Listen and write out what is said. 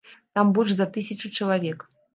Там больш за тысячу чалавек.